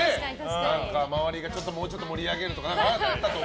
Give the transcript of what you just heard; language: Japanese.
周りがもうちょっと盛り上げるとかね。